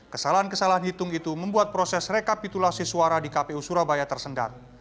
kesalahan kesalahan hitung itu membuat proses rekapitulasi suara di kpu surabaya tersendat